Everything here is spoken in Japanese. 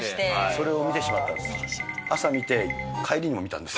それを見てしまったんです。